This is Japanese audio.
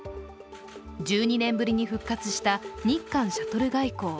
１２年ぶりに復活した日韓シャトル外交。